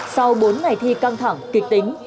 sau bốn ngày thi căng thẳng kịch tính